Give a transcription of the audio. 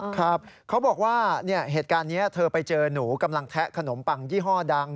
ครับเขาบอกว่าเหตุการณ์นี้เธอไปเจอหนูกำลังแทะขนมปังยี่ห้อดัง